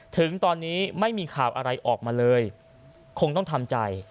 ถึงตอนนี้ไม่มีข่าวอะไรออกมาเลยคงต้องทำใจ